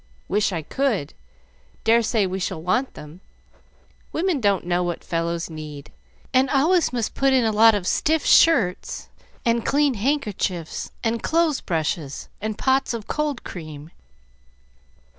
"Wish I could. Dare say we shall want them. Women don't know what fellows need, and always must put in a lot of stiff shirts and clean handkerchiefs and clothes brushes and pots of cold cream.